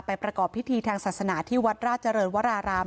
ประกอบพิธีทางศาสนาที่วัดราชเจริญวราราม